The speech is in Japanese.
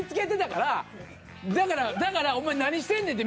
だからだからお前何してんねんって